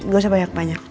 gak usah banyak banyak ya